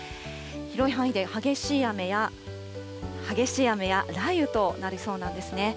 広い範囲で激しい雨や雷雨となりそうなんですね。